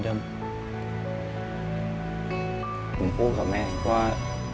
ผมพูดกับแม่ว่า